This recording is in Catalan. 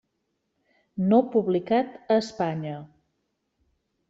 No publicat a Espanya.